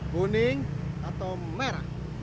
kuning atau merah